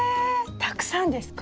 たくさんですか？